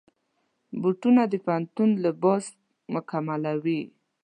بوټونه د پوهنتون لباس مکملوي.